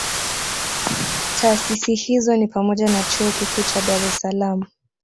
Taasisi hizo ni pamoja na Chuo Kikuu cha Dar es salaam